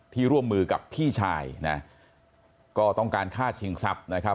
ร่วมมือกับพี่ชายนะก็ต้องการฆ่าชิงทรัพย์นะครับ